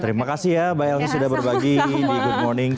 terima kasih ya mbak elvi sudah berbagi di good morning